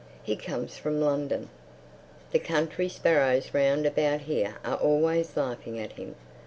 He comes from London. The country sparrows round about here are always laughing at him.